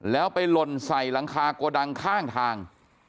แล้วไปหล่นใส่หลังคาโกดังข้างทาง